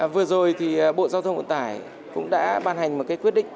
vừa rồi thì bộ giao thông vận tải cũng đã ban hành một cái quyết định